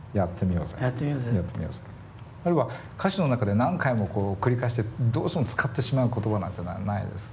あるいは歌詞の中で何回もこう繰り返してどうしても使ってしまう言葉なんていうのはないです？